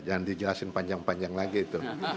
jangan dijelasin panjang panjang lagi itu